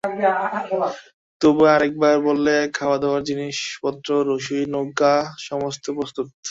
তবু আর-একবার বললে, খাওয়া-দাওয়ার জিনিস-পত্র, রসুইয়ের নৌকো সমস্তই প্রস্তুত।